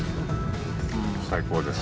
最高です。